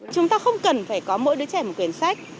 chúng ta không cần phải có mỗi đứa trẻ một quyển sách